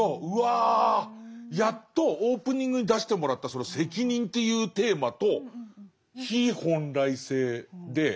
うわやっとオープニングに出してもらったその「責任」っていうテーマと非本来性で。